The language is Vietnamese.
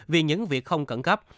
vì những việc không cẩn cấp